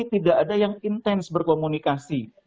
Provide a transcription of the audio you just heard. tidak ada yang intens berkomunikasi